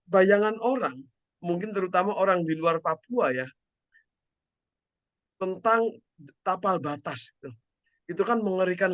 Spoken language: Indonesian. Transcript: bayangan orang mungkin terutama orang di luar papua ya tentang tapal batas itu itu kan mengerikan